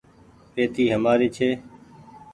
پيتي همآري ڇي۔